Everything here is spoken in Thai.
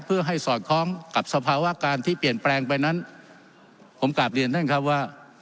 เพื่อให้สอดคล้องกับสภาวะการที่เปลี่ยนแปลงไปนั้นผมกลับเรียนท่านครับว่า